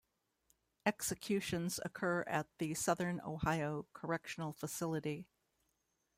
Executions occur at the Southern Ohio Correctional Facility.